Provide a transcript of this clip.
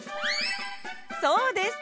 そうです。